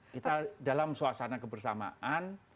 kita dalam suasana kebersamaan